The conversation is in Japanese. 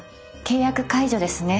契約解除ですね。